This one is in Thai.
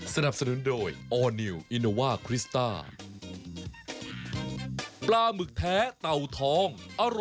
ใช่ไหมถูกต้อง